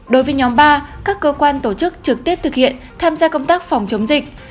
đối với nhóm ba các cơ quan tổ chức trực tiếp thực hiện tham gia công tác phòng chống dịch